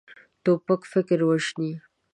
توپک فکر وژني.